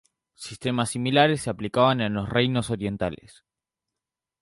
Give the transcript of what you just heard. Sistemas similares se aplicaban en los reinos orientales.